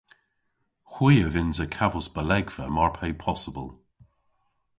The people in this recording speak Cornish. Hwi a vynnsa kavos balegva mar pe possybyl.